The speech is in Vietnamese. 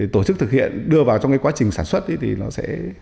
tổ chức thực hiện đưa vào trong cái quá trình sản xuất thì nó sẽ